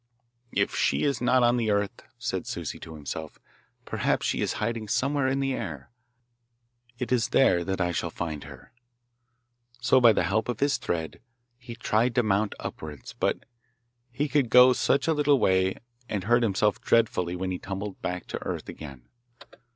'If she is not on the earth,' said Souci to himself, 'perhaps she is hiding somewhere in the air. It is there that I shall find her.' So, by the help of his thread, he tried to mount upwards, but he could go such a little way, and hurt himself dreadfully when he tumbled back to earth again.